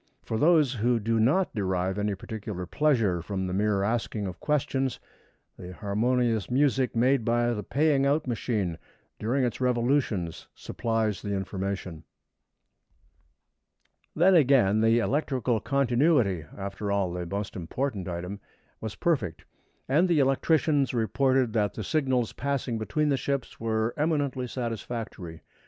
For those who do not derive any particular pleasure from the mere asking of questions, the harmonious music made by the paying out machine during its revolutions supplies the information. Then again, the electrical continuity after all, the most important item was perfect, and the electricians reported that the signals passing between the ships were eminently satisfactory.